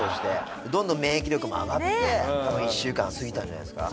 どんどん免疫力も上がって１週間過ぎたんじゃないですか。